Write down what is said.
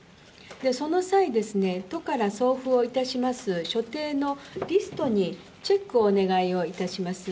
その際ですね、都から送付をいたします所定のリストにチェックをお願いをいたします。